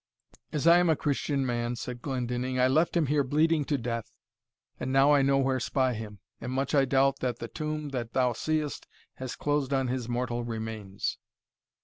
"As I am a Christian man," said Glendinning, "I left him here bleeding to death and now I nowhere spy him, and much I doubt that the tomb that thou seest has closed on his mortal remains."